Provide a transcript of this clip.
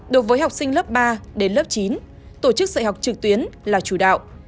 đối với học sinh lớp ba đến lớp chín tổ chức dạy học trực tuyến là chủ đạo